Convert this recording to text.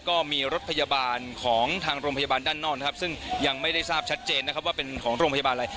ก็มีรถพยาบาลของทางโรงพยาบาลด้านนอกนะครับซึ่งยังไม่ได้ทราบชัดเจนนะครับว่าเป็นของโรงพยาบาลอะไร